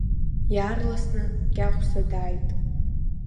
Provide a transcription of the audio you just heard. Иаарласны Кьаӷәса дааит.